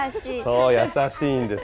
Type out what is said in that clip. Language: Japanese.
そう、優しいんです。